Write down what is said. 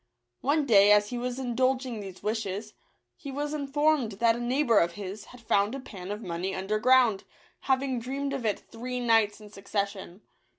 One day, as he was indulging these wishes, he was informed that a neighbour of his had found a pan of money underground, hav ing dreamed of it three nights in succession.